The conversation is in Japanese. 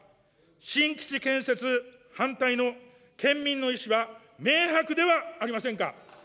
新基地建設反対の県民の意思は明白ではありませんか。